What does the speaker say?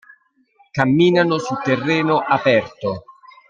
Camminano su terreno aperto.